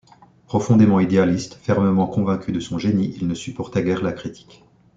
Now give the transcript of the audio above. Profondément idéaliste, fermement convaincu de son génie, il ne supportait guère la critique.